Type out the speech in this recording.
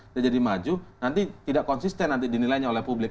dia jadi maju nanti tidak konsisten nanti dinilainya oleh publik